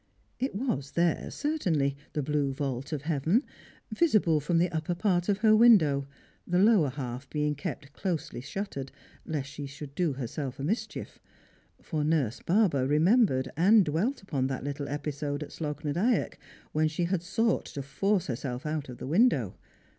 It was there certainly — the blue vault of heaven — visible from the upper j^art of her window, the lower half being kept closely shuttered lest she should do herself a mischief; for Nurse Barber remembered and dwelt upon that little episode at Slogh na Dyack when she had sought to force herself out of the window.